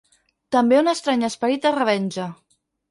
També un estrany esperit de revenja.